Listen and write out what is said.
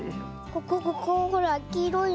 ここここほらきいろいの。